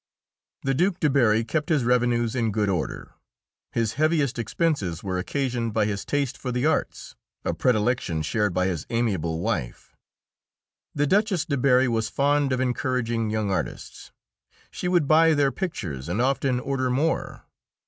The Duke de Berri kept his revenues in good order; his heaviest expenses were occasioned by his taste for the arts, a predilection shared by his amiable wife. The Duchess de Berri was fond of encouraging young artists; she would buy their pictures and often order more.